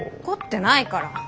怒ってないから！